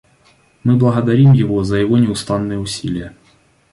Мы благодарим его за его неустанные усилия.